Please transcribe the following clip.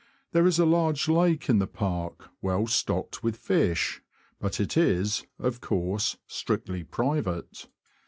There is a large lake in the park, well stocked with fish, but it is, of course, strictly private.